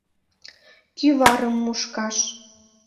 Кӱварым мушкаш.